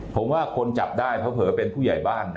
ผมว่าคนจับได้เพราะเผอเป็นผู้ใหญ่บ้านนะ